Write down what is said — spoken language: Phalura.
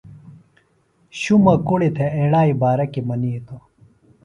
شُمہ کُڑیۡ تھےۡ ایڑائیۡ بارہ کیۡ منِیتوۡ